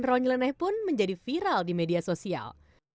dan ronyleneh pun menjadi viral di media sosial